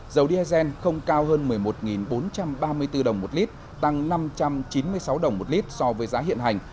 dầu diesel không cao hơn một mươi một bốn trăm ba mươi bốn đồng một lít tăng năm trăm chín mươi sáu đồng một lít so với giá hiện hành